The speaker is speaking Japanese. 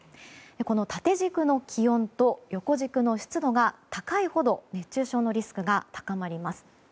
この縦軸の気温と横軸の湿度が高いほど熱中症のリスクが高まります。